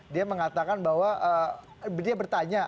dia mengatakan bahwa dia bertanya